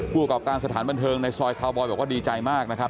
กรอบการสถานบันเทิงในซอยคาวบอยบอกว่าดีใจมากนะครับ